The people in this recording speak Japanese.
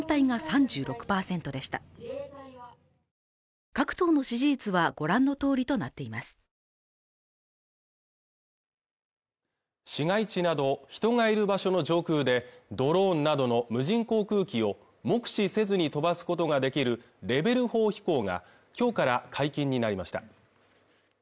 調査はこの土日にご覧の方法で行いました市街地など人がいる場所の上空でドローンなどの無人航空機を目視せずに飛ばすことができるレベル４飛行が今日から解禁になりました